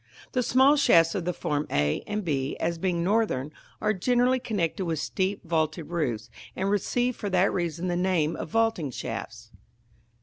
The small shafts of the form a and b, as being northern, are generally connected with steep vaulted roofs, and receive for that reason the name of vaulting shafts.